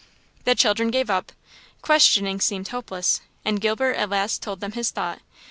The children gave up. Questioning seemed hopeless; and Gilbert at last told them his thought.